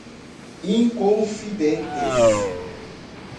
Inconfidentes